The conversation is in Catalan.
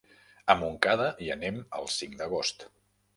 A Montcada hi anem el cinc d'agost.